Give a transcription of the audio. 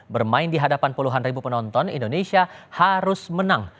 bermain di hadapan puluhan ribu penonton indonesia harus menang